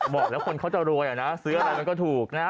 บอกแล้วคนเขาจะรวยอ่ะนะซื้ออะไรมันก็ถูกนะ